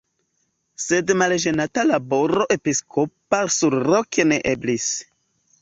Sed malĝenata laboro episkopa surloke ne eblis.